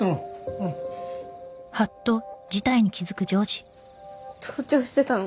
うん盗聴してたの？